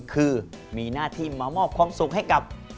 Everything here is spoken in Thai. คือมีหน้าที่มามอบความสุขให้กับ